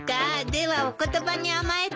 ではお言葉に甘えて。